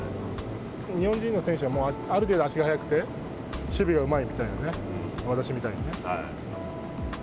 日本人の選手はある程度足が速くて守備がうまいみたいなね、私みたいにね。